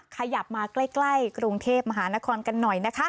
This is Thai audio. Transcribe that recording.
ขยับมาใกล้กรุงเทพมหานครกันหน่อยนะคะ